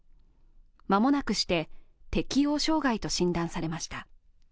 間もなくして適応障害と診断されました。